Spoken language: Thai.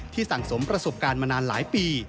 สั่งสมประสบการณ์มานานหลายปี